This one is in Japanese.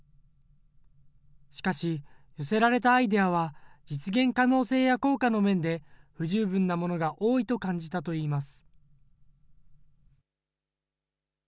しかし、寄せられたアイデアは、実現可能性や効果の面で不十分なものが多いと感じたといいます。